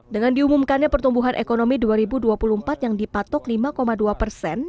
dengan diumumkannya pertumbuhan ekonomi dua ribu dua puluh empat yang dipatok lima dua persen